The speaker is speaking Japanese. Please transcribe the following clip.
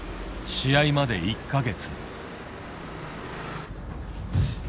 試合まで１か月。